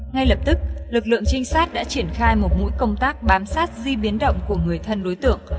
ngay lập tức lực lượng trinh sát đã triển khai một mũi công tác bám sát di biến động của người thân đối tượng